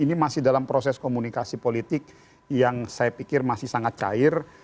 ini masih dalam proses komunikasi politik yang saya pikir masih sangat cair